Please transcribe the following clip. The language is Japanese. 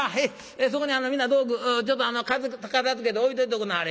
そこに皆道具ちょっと片づけて置いといておくんなはれ。